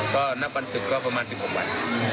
ก็นับวันศึกก็ประมาณ๑๖วัน